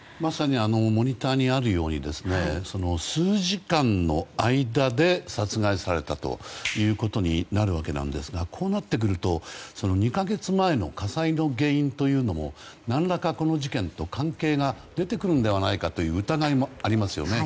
モニターにあるように数時間の間で殺害されたということになるわけなんですがこうなってくると２か月前の火災の原因というのも何らか、この事件と関係が出てくるのではないかという疑いもありますよね。